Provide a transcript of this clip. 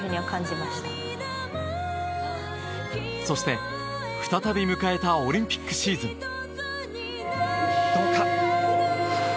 そして、再び迎えたオリンピックシーズン。